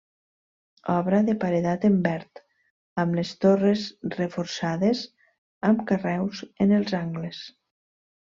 Obra de paredat en verd, amb les torres reforçades amb carreus en els angles.